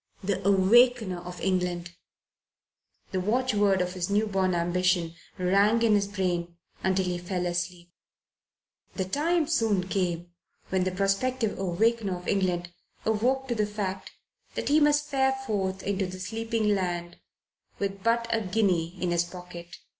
The Awakener of England! The watchword of his new born ambition rang in his brain until he fell asleep. The time soon came when the prospective Awakener of England awoke to the fact that he must fare forth into the sleeping land with but a guinea in his pocket.